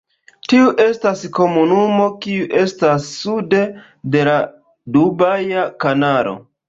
Tiu estas komunumo kiu estas sude de la Dubaja Kanalo.